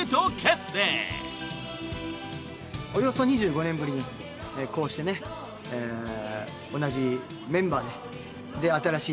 およそ２５年ぶりにこうして同じメンバーで新しい。